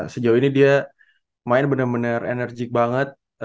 sejauh ini dia main benar benar enerjik banget